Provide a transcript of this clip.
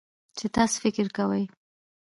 چې تاسو فکر کوئ